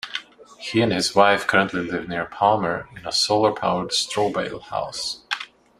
He and his wife currently live near Palmer in a solar-powered straw-bale house.